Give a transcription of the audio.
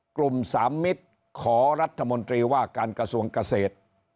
กลุ่มสามมิตรขอรัฐมนตรีว่าการกระทรวงเกษตร